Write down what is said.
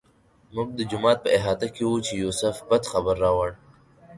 موږ د جومات په احاطه کې وو چې یوسف بد خبر راوړ.